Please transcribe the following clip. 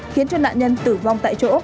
khiến cho nạn nhân tử vong tại chỗ